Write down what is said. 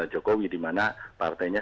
jokowi dimana partainya